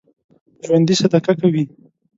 ژوندي صدقه کوي